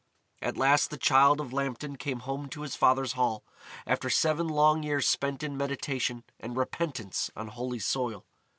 At last the Childe of Lambton came home to his father's Hall, after seven long years spent in meditation and repentance on holy soil.